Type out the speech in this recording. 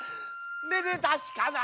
めでたしかな。